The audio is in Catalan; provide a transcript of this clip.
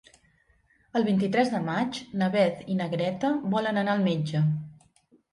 El vint-i-tres de maig na Beth i na Greta volen anar al metge.